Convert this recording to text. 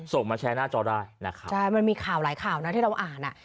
ส่งมาแชร์หน้าจอได้นะครับใช่มันมีข่าวหลายข่าวนะที่เราอ่านอ่ะ